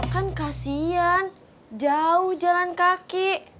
kan kasian jauh jalan kaki